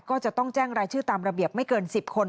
ก็จะต้องแจ้งรายชื่อตามระเบียบไม่เกิน๑๐คน